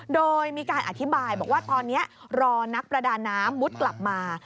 โดยมีการอธิบายบอกว่าตอนนี้รอนักประดาน้ำมุดกลับมา